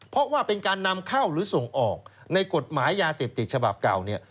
เพราะว่าเป็นการนำเข้าหรือส่งออกในกฎหมายยาเสพติดฉบับเก่าเนี่ย